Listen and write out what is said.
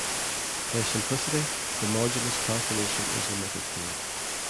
For simplicity, the modulus calculation is omitted here.